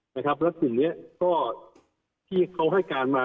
แล้วกลุ่มนี้ก็ที่เขาให้การมา